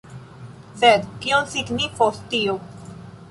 Sed kion signifos tio?